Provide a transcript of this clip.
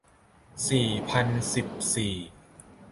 สี่พันสิบสี่